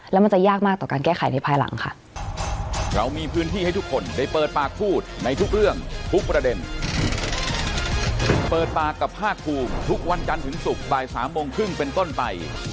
แล้วมันจะยากมากต่อการแก้ไขในภายหลังค่ะ